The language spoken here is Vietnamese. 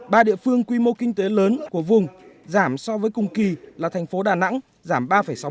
ba địa phương quy mô kinh tế lớn của vùng giảm so với cùng kỳ là thành phố đà nẵng giảm ba sáu